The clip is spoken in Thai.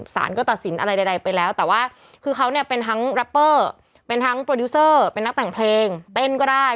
สารก็ตัดสินอะไรใดไปแล้วแต่ว่าคือเขาเนี่ยเป็นทั้งแรปเปอร์เป็นทั้งโปรดิวเซอร์เป็นนักแต่งเพลงเต้นก็ได้